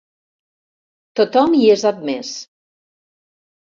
Tothom hi és admès.